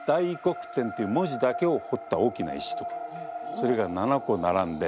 それが７個並んで。